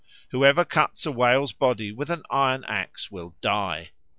Whoever cuts a whale's body with an iron axe will die.